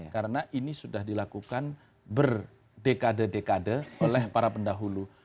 karena ini sudah dilakukan berdekade dekade oleh para pendahulu